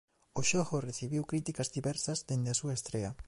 O xogo recibiu críticas diversas dende a súa estrea.